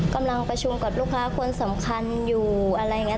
กำลังประชุมกับลูกค้าคนสำคัญอยู่อะไรอย่างนี้